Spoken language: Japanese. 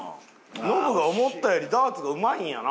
ノブは思ったよりダーツがうまいんやな。